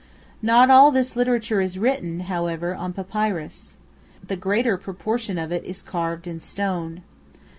Not all this literature is written, however, on papyrus. The greater proportion of it is carved in stone.